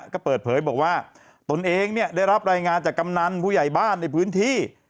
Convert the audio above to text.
ก็เปิดเผยบอกว่าตนเองได้รับรายงานจากกำนันผู้ใหญ่บ้านในพื้นที่